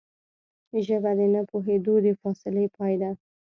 ژبه د نه پوهېدو د فاصلې پای ده